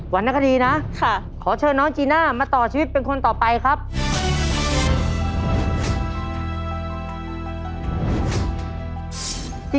รณคดีนะขอเชิญน้องจีน่ามาต่อชีวิตเป็นคนต่อไปครับ